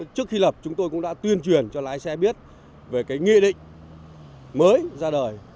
trước khi lập chúng tôi cũng đã tuyên truyền cho lái xe biết về cái nghị định mới ra đời